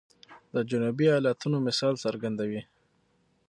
د جنوبي ایالاتونو مثال څرګندوي.